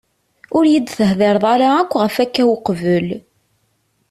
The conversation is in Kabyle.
Ur yi-d-tehdireḍ ara yakk ɣef akka uqbel.